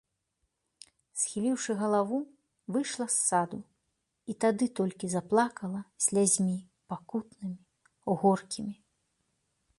Схіліўшы галаву, выйшла з саду і тады толькі заплакала слязьмі пакутнымі, горкімі.